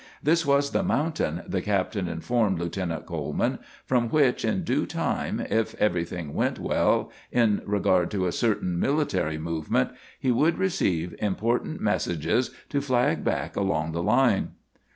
This was the mountain, the captain informed Lieutenant Coleman, from which in due time, if everything went well in regard to a certain military movement, he would receive important messages to flag back along the line.